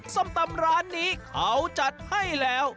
ส้มตำร้านนี้เขาจัดให้แล้ว